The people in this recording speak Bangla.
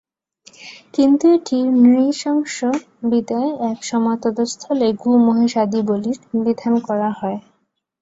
কিন্তু এটি নৃশংস বিধায় এক সময় তদস্থলে গো-মহিষাদি বলির বিধান করা হয়।